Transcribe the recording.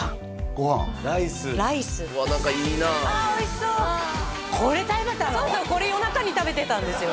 そうそうこれ夜中に食べてたんですよ